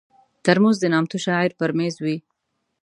ترموز د نامتو شاعر پر مېز وي.